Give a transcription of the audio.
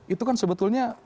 itu kan sebetulnya